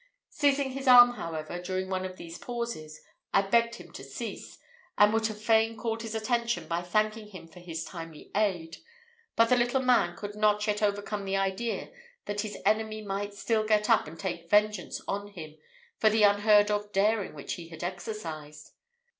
Seizing his arm, however, during one of these pauses, I begged him to cease; and would have fain called his attention by thanking him for his timely aid; but the little man could not yet overcome the idea that his enemy might still get up and take vengeance on him for the unheard of daring which he had exercised.